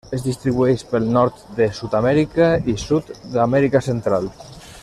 Es distribueix pel nord de Sud-amèrica i sud d'Amèrica Central.